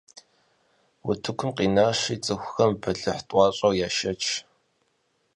Утыкум къинащи, цӀыхухэм бэлыхь тӀуащӀэр яшэч.